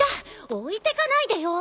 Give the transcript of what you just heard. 置いてかないでよ。